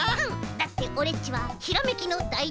だってオレっちはひらめきのだいてんさいだから。